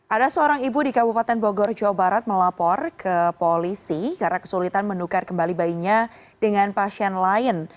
ada seorang ibu di kabupaten bogor jawa barat melapor ke polisi karena kesulitan menukar kembali bayinya dengan pasien lain